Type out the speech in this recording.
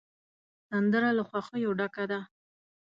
سندره له خوښیو ډکه ده